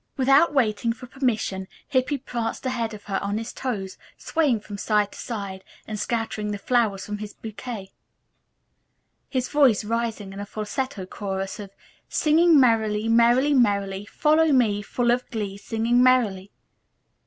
Without waiting for permission Hippy pranced ahead of her on his toes, swaying from side to side and scattering the flowers from his bouquet, his voice rising in a falsetto chorus of: "Singing merrily, merrily, merrily, Follow me, full of glee, Singing merrily."